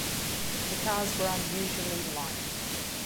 The cars were unusually light.